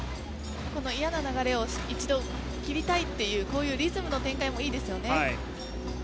嫌な流れを一度切りたいというリズムの展開もいいですよね。